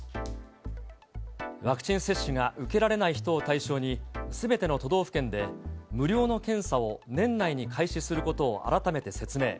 ワクチン接種が受けられない人を対象に、すべての都道府県で無料の検査を年内に開始することを改めて説明。